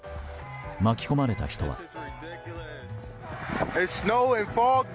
巻き込まれた人は。